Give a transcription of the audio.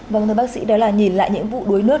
vâng thưa bác sĩ đó là nhìn lại những vụ đuối nước